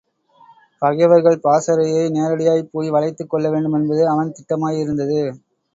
பகைவர்கள் பாசறையை நேரடியாகப் போய் வளைத்துக் கொள்ள வேண்டுமென்பது அவன் திட்டமாயிருந்தது.